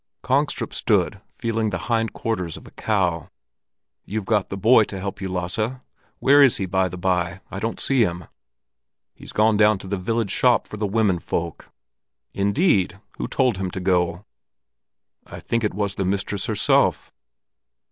Kongstrup stood feeling the hind quarters of a cow. "You've got the boy to help you, Lasse. Where is he, by the by? I don't see him." "He's gone to the village shop for the women folk." "Indeed? Who told him to go?" "I think it was the mistress herself."